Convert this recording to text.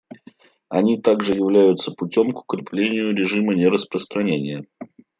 Они также являются путем к укреплению режима нераспространения.